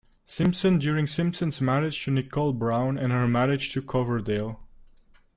Simpson during Simpson's marriage to Nicole Brown and her marriage to Coverdale.